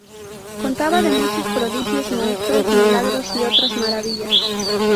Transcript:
Contaba de muchos prodigios, monstruos, milagros y otras maravillas.